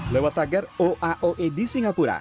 lewat tagar oaoe di singapura